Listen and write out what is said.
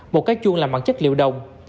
một cái chuông làm bằng chất liệu đồng